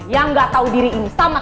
yang gak tau diri ini sama kayak anak